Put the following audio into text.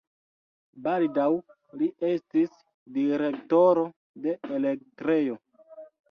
Baldaŭ li estis direktoro de elektrejo.